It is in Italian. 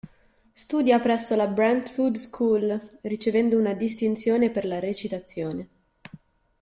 Studia presso la "Brentwood School", ricevendo una distinzione per la recitazione.